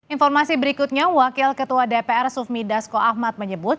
informasi berikutnya wakil ketua dpr sufmi dasko ahmad menyebut